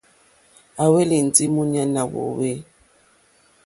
À hwélì ndí múɲánà wòòwê.